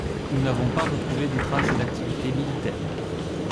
Nous n'avons pas retrouvé de traces d'activités militaires.